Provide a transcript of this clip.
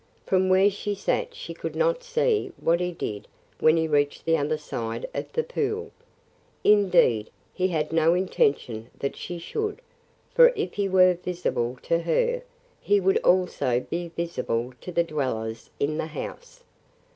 From where she sat she could not see what he did when he reached the other side of the pool; indeed, he had no intention that she should, for if he were visible to her he would also be visible to the dwellers in the house.